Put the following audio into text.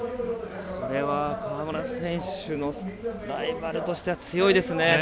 これは川村選手のライバルとしては強いですね。